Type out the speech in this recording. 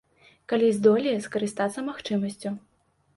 Калі здолее скарыстацца магчымасцю.